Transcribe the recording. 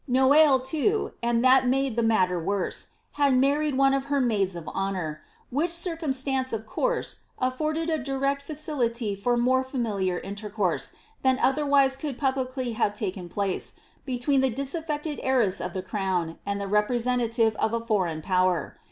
Noailles, too— and that made the matter worse — had married one of her maids of honour;* which circumstance, oi' course, afforded a direct facility for more familiar intercourse, than otherwise could publicly have taken place, between the disaffected heiress of the crown, and the representative of a foreign power.